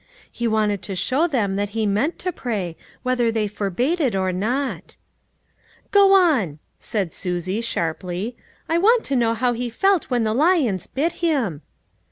He wanted to show them that he meant to pray, whether they forbade it or not." 354 LITTLE FISHERS: AND THEIB NETS. " Go on," said Susie, sharply, " I want to know how he felt when the lions bit him."